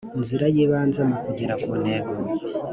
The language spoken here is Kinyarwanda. nzira y ibanze mu kugera ku ntego